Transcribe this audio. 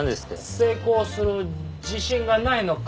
成功する自信がないのかと。